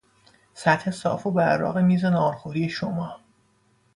سطح صاف و براق میز ناهارخوری شما